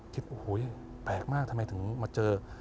โอ้โหแปลกมากทำไมถึงมาเจอ